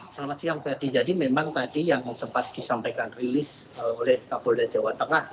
selamat siang ferdi jadi memang tadi yang sempat disampaikan rilis oleh kapolda jawa tengah